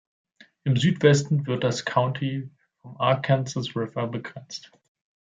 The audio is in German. Im Südwesten wird das County vom Arkansas River begrenzt.